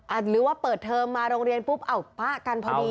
หรือว่าเปิดเทอมมาโรงเรียนปุ๊บเอ้าป๊ะกันพอดี